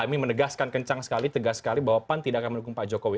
amin menegaskan kencang sekali tegas sekali bahwa pan tidak akan mendukung pak jokowi